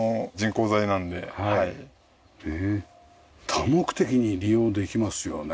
多目的に利用できますよね。